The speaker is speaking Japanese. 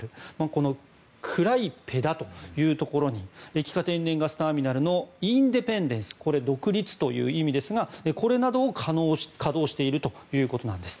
このクライペダというところに液化天然ガスターミナルのインデペンデンスこれ、独立という意味ですがこれなどを稼働しているということです。